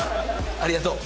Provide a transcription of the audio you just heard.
ありがとう。